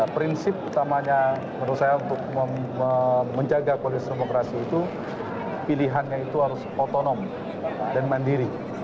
prinsip utamanya menurut saya untuk menjaga kualitas demokrasi itu pilihannya itu harus otonom dan mandiri